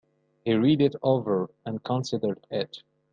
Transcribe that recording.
He read it over and considered it.